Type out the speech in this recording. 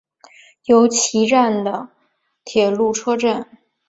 由岐站的铁路车站。